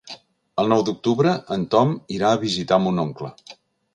El nou d'octubre en Tom irà a visitar mon oncle.